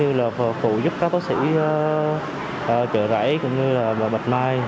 như là phụ giúp các bác sĩ trợ rãi cũng như là bạch mai